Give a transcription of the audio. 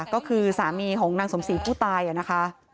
ก็คือสามีของนางสมศรีผู้ตายนะคะ